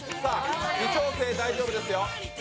微調整大丈夫ですよ。